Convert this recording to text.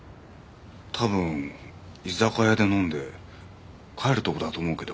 多分居酒屋で飲んで帰るとこだと思うけど。